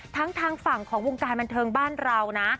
ทางฝั่งของวงการบันเทิงบ้านเรานะ